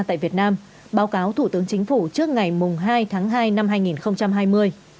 tại việt nam báo cáo thủ tướng chính phủ trước ngày hai tháng hai năm hai nghìn hai mươi